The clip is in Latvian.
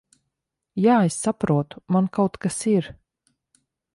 Jā, es saprotu. Man kaut kas ir...